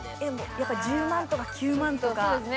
やっぱ１０万とか９万とか。